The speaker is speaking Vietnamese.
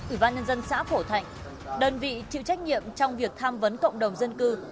ủy ban nhân dân xã phổ thạnh đơn vị chịu trách nhiệm trong việc tham vấn cộng đồng dân cư